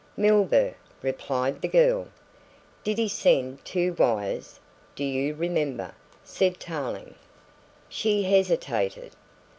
"Milburgh," replied the girl. "Did he send two wires, do you remember?" said Tarling. She hesitated.